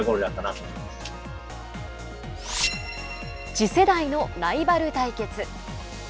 次世代のライバル対決！